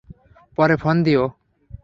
পরে ফোন দিও।